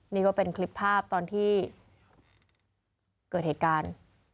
นี่ก็เป็นคลิปภาพตอนที่เกิดเหตุการณ์